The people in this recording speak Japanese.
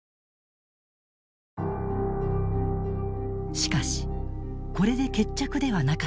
しかしこれで決着ではなかった。